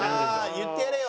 言ってやれよ。